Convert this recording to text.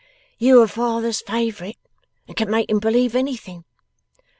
'You are father's favourite, and can make him believe anything.